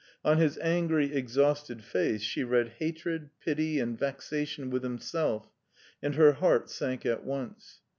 On his angry, exhausted face she read hatred, pity and vexation with himself, and her heart sank at once.